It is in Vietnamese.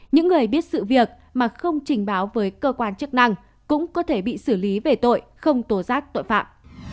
những người biết sự việc mà không trình báo với cơ quan chức năng cũng có thể bị xử lý về tội không tổ giác tội phạm